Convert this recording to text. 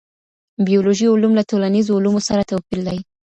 بیولوژيکي علوم له ټولنیزو علومو سره توپیر لري.